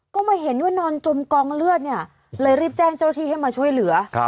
ก็มาเห็นว่านอนจมกองเลือดเนี่ยเลยรีบแจ้งเจ้าหน้าที่ให้มาช่วยเหลือ